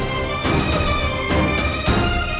adi ya atasnya